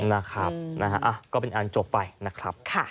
นะครับนะฮะก็เป็นอันจบไปนะครับ